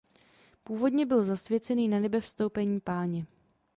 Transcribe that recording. Původně byl zasvěcený Nanebevstoupení Páně.